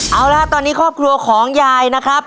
เอาละตอนนี้ครอบครัวของยายนะครับ